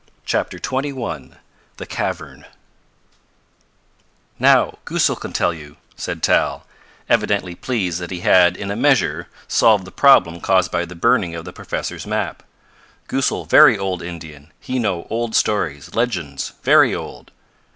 CHAPTER XXI THE CAVERN "Now Goosal can tell you," said Tal, evidently pleased that he had, in a measure, solved the problem caused by the burning of the professor's map. "Goosal very old Indian. He know old stories legends very old."